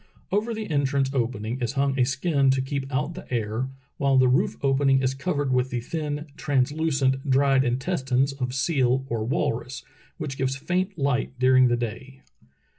Over the entrance opening is hung a skin to keep out the air, while the roof opening is covered with the thin, translucent, dried intestines of the seal or walrus, which gives famt light during the day.